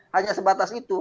hanya sebatas itu